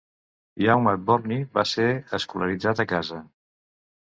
Young McBurney va ser escolaritzat a casa.